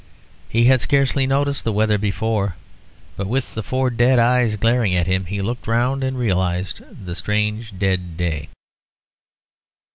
He had scarcely noticed the weather before, but with the four dead eyes glaring at him he looked round and realised the strange dead day.